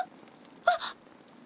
あっ！